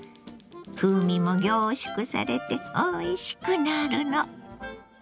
風味も凝縮されておいしくなるの。